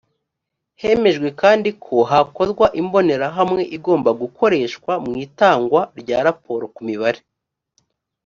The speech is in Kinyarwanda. hemejwe kandi ko hakorwa imbonerahamwe igomba gukoreshwa mu itangwa rya raporo ku mibare